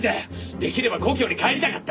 出来れば故郷に帰りたかった。